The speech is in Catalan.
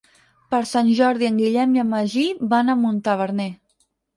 Per Sant Jordi en Guillem i en Magí van a Montaverner.